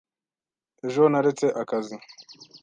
Ejo naretse akazi.